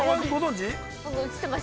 ◆知ってます。